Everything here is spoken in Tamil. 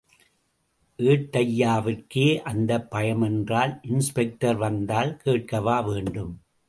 ஏட்டய்யாவிற்கே அந்தப் பயம் என்றால், இன்ஸ்பெக்டர் வந்தால் கேட்கவா வேண்டும்?